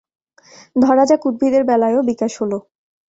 ধরা যাক উদ্ভিদের বেলায়ও বিকাশ হল।